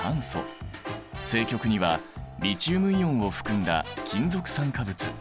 正極にはリチウムイオンを含んだ金属酸化物。